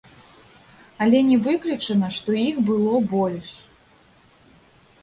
Але не выключана, што іх было больш.